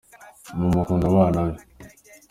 Mama akunda abana be.